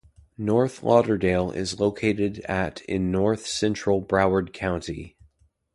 North Lauderdale is located at in north-central Broward County.